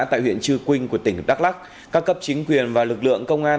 tại huyện trư quynh của tỉnh đắk lắc các cấp chính quyền và lực lượng công an